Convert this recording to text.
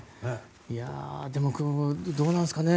どうなんですかね。